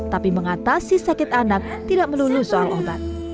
tapi mengatasi sakit anak tidak melulu soal obat